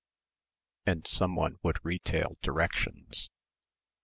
and someone would retail directions.